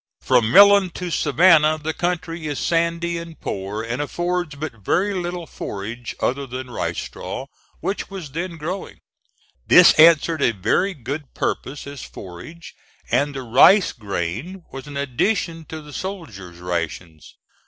From Millen to Savannah the country is sandy and poor, and affords but very little forage other than rice straw, which was then growing. This answered a very good purpose as forage, and the rice grain was an addition to the soldier's rations.